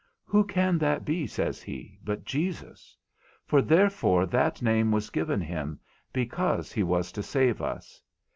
Who can that be, says he, but Jesus? For therefore that name was given him because he was to save us.